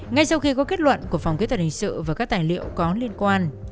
ngay sau khi có kết luận của phòng kỹ thuật hình sự và các tài liệu có liên quan